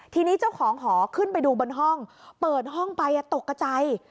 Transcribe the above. ทีนี้เจ้าของหอขึ้นไปดูบนห้องเปิดห้องไปตกกระใจ